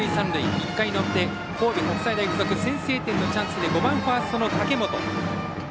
１回の表、神戸国際大付属先制点のチャンスで５番ファーストの武本。